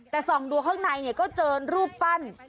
แต่ส่องดูข้างในก็เจอรูปปั้น